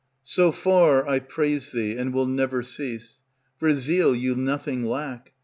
Pr. So far I praise thee, and will never cease; For zeal you nothing lack.